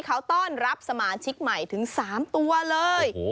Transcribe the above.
เขาต้อนรับสมาชิกใหม่ถึง๓ตัวเลย